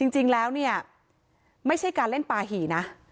จริงแล้วเนี่ยไม่ใช่การเล่นปาหี่นะ